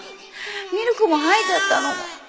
ミルクも吐いちゃったの！